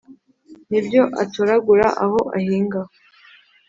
N'ibyo atoragura aho ahinga